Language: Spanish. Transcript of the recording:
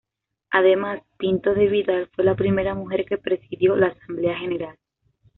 Además, Pinto de Vidal fue la primera mujer que presidió la Asamblea General.